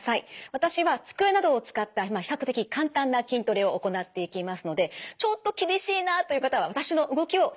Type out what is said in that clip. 私は机などを使った比較的簡単な筋トレを行っていきますのでちょっと厳しいなという方は私の動きを参考にしてください。